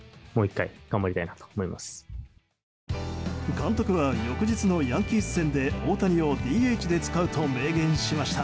監督は翌日のヤンキース戦で大谷をＤＨで使うと明言しました。